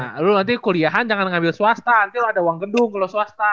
nah lu nanti kuliahan jangan ngambil swasta nanti lu ada uang gedung ya